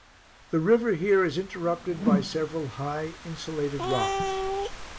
The river here is interrupted by several high insulated rocks.